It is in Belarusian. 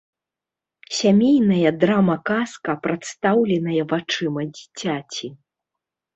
Сямейная драма-казка, прадстаўленая вачыма дзіцяці.